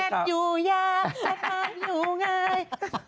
แม่แรดอยู่อย่างก็มาอยู่ไง